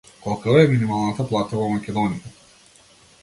Колкава е минималната плата во Македонија?